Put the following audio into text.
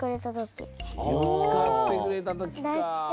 きをつかってくれたときか。